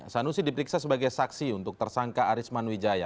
sanusi diperiksa sebagai saksi untuk tersangka arisman wijaya